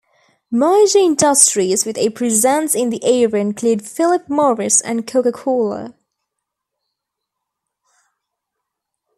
Major industries with a presence in the area include Philip Morris and Coca-Cola.